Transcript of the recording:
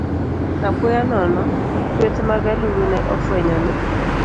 Apoya nono, kweth mag aluru ne ofwenyo ni